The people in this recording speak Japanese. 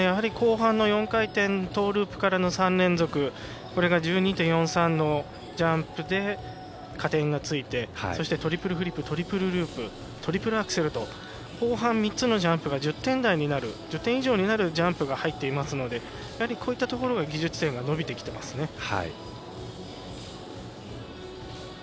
後半の４回転トーループからの３連続、これが１２．４３のジャンプで、加点がついてそしてトリプルフリップトリプルループトリプルアクセルと後半３つのジャンプが１０点以上になるジャンプが入っていますのでやはりこういったところが技術点が伸びてきていますよね。